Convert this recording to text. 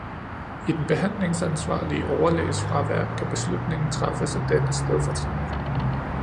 I den behandlingsansvarlige overlæges fravær kan beslutningen træffes af dennes stedfortræder.